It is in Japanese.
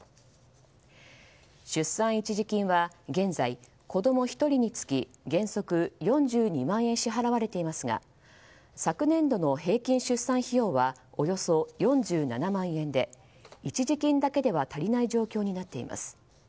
出産一時金は現在子供１人につき原則４２万円支払われていますが昨年度の平均出産費用はおよそ４７万円で一時金だけでは足りない状況になっています。